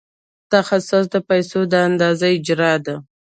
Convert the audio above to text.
تخصیص د پیسو د اندازې اجرا ده.